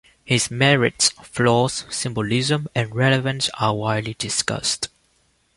His merits, flaws, symbolism, and relevance are widely discussed.